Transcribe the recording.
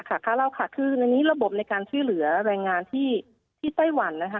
ค่าเหล้าค่ะคือในนี้ระบบในการช่วยเหลือแรงงานที่ไต้หวันนะคะ